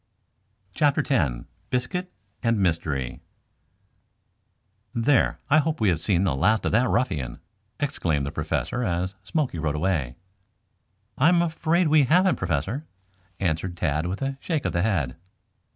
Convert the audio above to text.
CHAPTER X BISCUIT AND MYSTERY "There, I hope we have seen the last of that ruffian," exclaimed the Professor as Smoky rode away. "I am afraid we haven't, Professor," answered Tad, with a shake of the head.